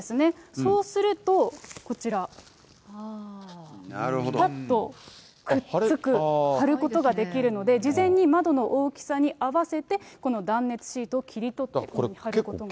そうすると、こちら、ぴたっとくっつく、貼ることができるので、事前に窓の大きさに合わせてこの断熱シートを切り取って。